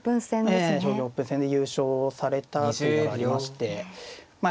ええ将棋オープン戦で優勝されたというのがありましてまあ